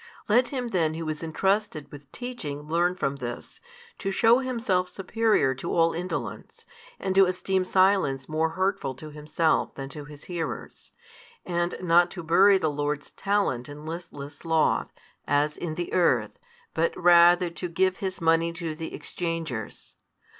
Let him then who is entrusted with teaching learn from this, to shew himself superior to all indolence, and to esteem silence more hurtful to himself than to his hearers, and not to bury the Lord's talent in listless sloth, as in the earth, but rather to give His money to the exchangers.